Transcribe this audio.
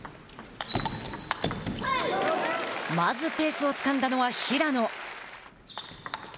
まずペースをつかんだのは平野。